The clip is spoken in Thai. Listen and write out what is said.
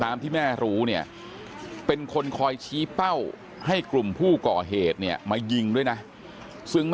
อายุ๑๐ปีนะฮะเขาบอกว่าเขาก็เห็นถูกยิงนะครับ